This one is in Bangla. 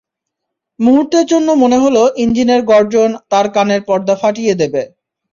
মুহূর্তের জন্য মনে হলো ইঞ্জিনের গর্জন তাঁর কানের পর্দা ফাটিয়ে দেবে।